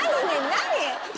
何？